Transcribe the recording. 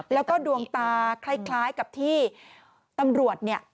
แล้วก็ดวงตาคล้ายกับที่ตำรวจเนี่ย